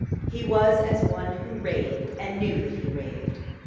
He was as one who raved, and knew that he raved.